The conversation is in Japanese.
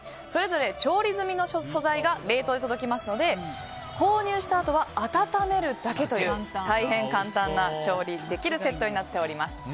それぞれ調理済みの素材が冷凍で届きますので購入したあとは温めるだけという大変簡単に調理できるセットになってます。